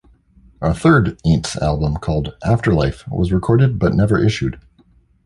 A third Aints album called "Afterlife" was recorded but never issued.